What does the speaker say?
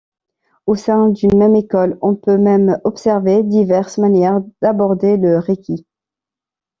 Au sein d'une même école, on peut même observer diverses manières d'aborder le reiki.